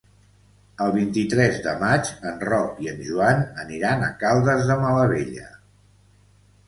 El vint-i-tres de maig en Roc i en Joan aniran a Caldes de Malavella.